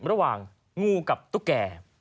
ระหว่างงูกับตู้แก่